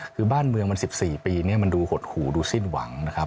คือบ้านเมืองมัน๑๔ปีเนี่ยมันดูหดหูดูสิ้นหวังนะครับ